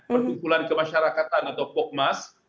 perkumpulan kemasyarakatan atau pokmas